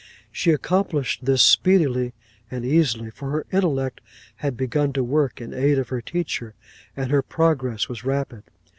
She accomplished this speedily and easily, for her intellect had begun to work in aid of her teacher, and her progress was rapid.